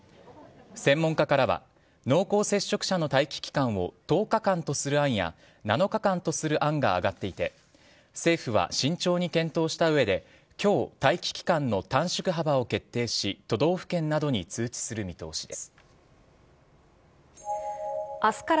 専門家からは濃厚接触者の待機期間を１０日間とする案や７日間とする案が上がっていて政府は慎重に検討した上で今日待機期間の短縮幅を決定し都道府県などに通知する見通しです。